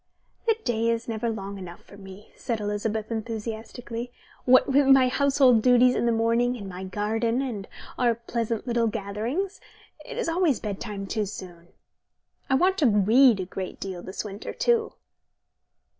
"The day is never long enough for me," said Elizabeth enthusiastically. "What with my household duties in the morning, and my garden, and our pleasant little gatherings, it is always bedtime too soon. I want to read a great deal this winter, too."